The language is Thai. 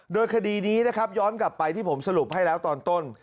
โดยคดีนี้นะครับย้อนกลับไปที่ผมสรุปให้แล้วตอนต้น